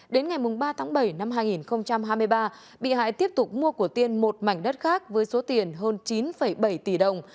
đến ngày ba tháng bảy năm hai nghìn hai mươi ba bị hại tiếp tục mua của tiên một mảnh đất khác với số tiền hơn chín bảy tỷ đồng